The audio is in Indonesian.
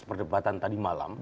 perdebatan tadi malam